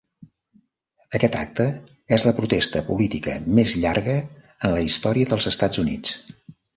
Aquest acte és la protesta política més llarga en la història dels Estats Units.